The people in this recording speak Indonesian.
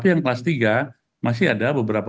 pertama kelas satu itu memiliki dua belas komplemen tadi